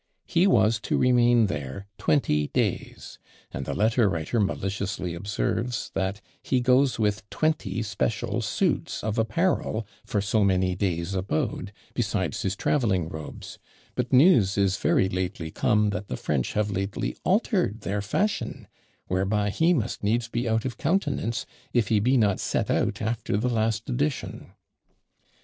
He was to remain there twenty days; and the letter writer maliciously observes, that "He goes with twenty special suits of apparel for so many days' abode, besides his travelling robes; but news is very lately come that the French have lately altered their fashion, whereby he must needs be out of countenance, if he be not set out after the last edition!"